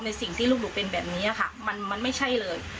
สิ่งที่ลูกหนูเป็นแบบนี้ค่ะมันไม่ใช่เลย